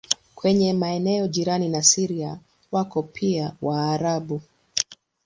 Kwenye maeneo jirani na Syria wako pia Waarabu.